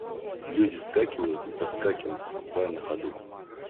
Люди вскакивают и соскакивают в трамвай на ходу.